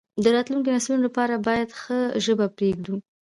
د راتلونکو نسلونو لپاره باید ښه ژبه پریږدو.